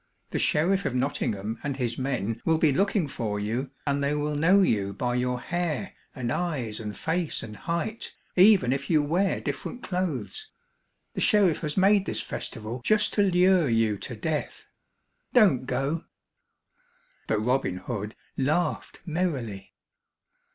The sheriff of Nottingham and his men will be looking for you and they will know you by your hair and eyes and face and height, even if you wear different clothes. The sheriff has made this festival just to lure you to death. Don't go." But Robin Hood laughed merrily.